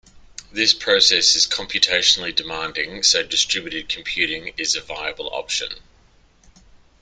This process is computationally demanding, so distributed computing is a viable option.